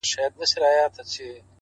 • نن په ګودرونو کي د وینو رنګ کرلی دی,